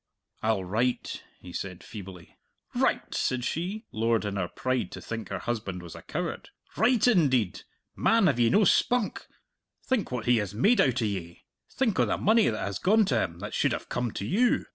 "I'll write," he said feebly. "Write!" said she, lowered in her pride to think her husband was a coward. "Write, indeed! Man, have ye no spunk? Think what he has made out o' ye! Think o' the money that has gone to him that should have come to you!